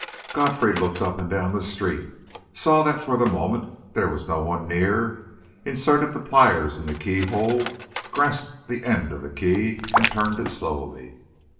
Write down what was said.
Godfrey looked up and down the street, saw that for the moment there was no one near, inserted the pliers in the key hole, grasped the end of the key, and turned it slowly.